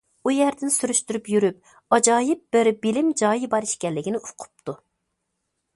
ئۇ يەردىن سۈرۈشتۈرۈپ يۈرۈپ، ئاجايىپ بىر بىلىم جايى بار ئىكەنلىكىنى ئۇقۇپتۇ.